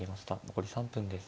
残り３分です。